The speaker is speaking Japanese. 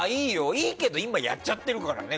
いいけど今やっちゃってるけどね。